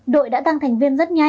đội đã tăng thành viên rất nhiều